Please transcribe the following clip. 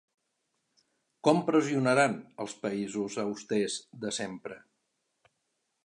Com pressionaran els països “austers” de sempre?